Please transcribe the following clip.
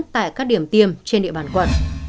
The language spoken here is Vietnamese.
tại các điểm tiêm trên địa bàn quận